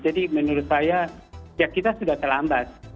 jadi menurut saya ya kita sudah terlambat